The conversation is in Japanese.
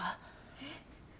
えっ？